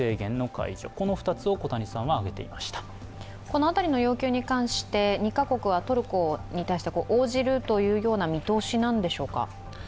この辺りの要求に関して、２カ国はトルコに対して応じるというような見通しなんでしょうか？